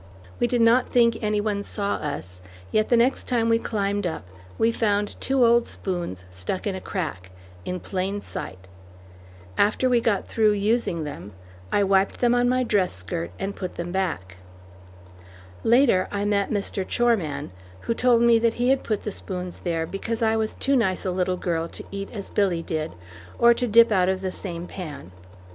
We did not think any one saw us, yet the next time we climbed up, we found two old spoons stuck in a crack, in plain sight. After we got through using them, I wiped them on my dress skirt and put them back. Later, I met Mr. Choreman, who told me that he had put the spoons there because I was too nice a little girl to eat as Billy did, or to dip out of the same pan.